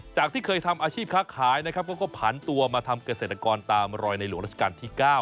ที่เคยทำอาชีพค้าขายนะครับก็ผันตัวมาทำเกษตรกรตามรอยในหลวงราชการที่๙